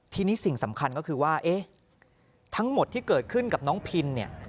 ทีนี้สิ่งสำคัญก็คือว่าเอ๊ะทั้งหมดที่เกิดขึ้นกับน้องพินเนี่ย